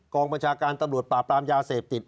กรองประชาการตำรวจปราบตามยาเสพติด